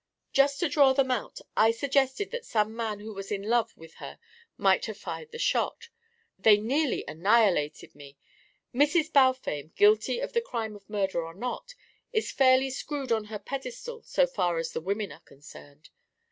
Just to draw them out, I suggested that some man who was in love with her might have fired the shot. They nearly annihilated me. Mrs. Balfame, guilty of the crime of murder or not, is fairly screwed on her pedestal so far as the women are concerned.